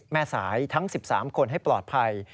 แม่สายทั้ง๑๓คนให้ปลอดภัย